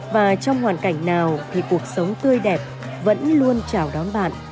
và trong hoàn cảnh nào thì cuộc sống tươi đẹp vẫn luôn chào đón bạn